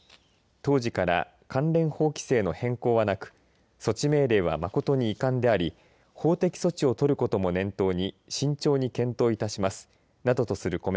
当時から関連法規制の変更はなく措置命令は誠に遺憾であり法的措置を取ることも念頭に慎重に検討いたしますなどとする。